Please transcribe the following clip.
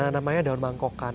namanya daun mangkokan